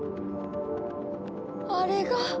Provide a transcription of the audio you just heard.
あれが。